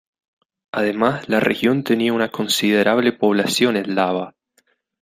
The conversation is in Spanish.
Además, la región tenía una considerable población eslava.